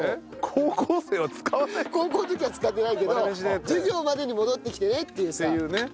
高校の時は使ってないけど授業までに戻ってきてねっていうさ。